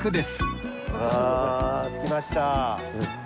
わあ着きました。